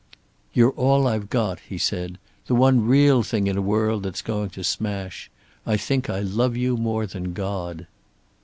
"You're all I've got," he said. "The one real thing in a world that's going to smash. I think I love you more than God."